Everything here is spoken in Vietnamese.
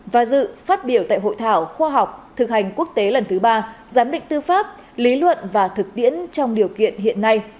và dự phát biểu tại hội thảo khoa học thực hành quốc tế lần thứ ba giám định tư pháp lý luận và thực tiễn trong điều kiện hiện nay